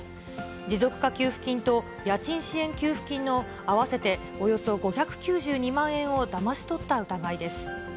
持続化給付金と家賃支援給付金の合わせておよそ５９２万円をだまし取った疑いです。